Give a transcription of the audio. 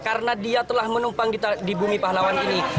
karena dia telah menumpang di bumi pahlawan ini